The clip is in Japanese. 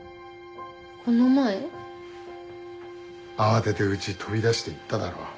慌てて家飛び出して行っただろ。